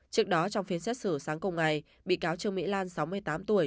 trước đó trong phiên xét xử sáng cùng ngày bị cáo trương mỹ lan sáu mươi tám tuổi